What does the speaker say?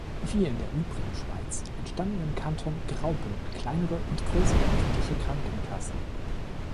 Wie in der übrigen Schweiz entstanden im Kanton Graubünden kleinere und grössere öffentliche Krankenkassen.